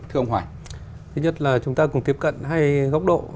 thứ nhất là chúng ta cũng tiếp cận hai góc độ